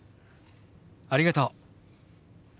ありがとう。